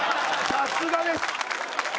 さすがです！